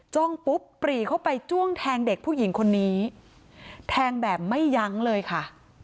ปุ๊บปรีเข้าไปจ้วงแทงเด็กผู้หญิงคนนี้แทงแบบไม่ยั้งเลยค่ะ